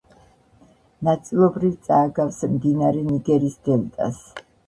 ნაწილობრივ წააგავს მდინარე ნიგერის დელტას.